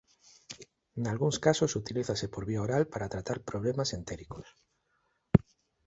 Nalgúns casos utilízase por vía oral para tratar problemas entéricos.